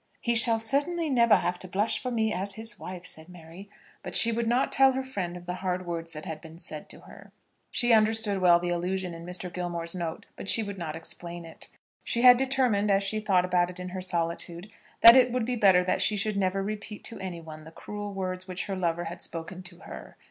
"He shall certainly never have to blush for me as his wife," said Mary. But she would not tell her friend of the hard words that had been said to her. She understood well the allusion in Mr. Gilmore's note, but she would not explain it. She had determined, as she thought about it in her solitude, that it would be better that she should never repeat to anyone the cruel words which her lover had spoken to her.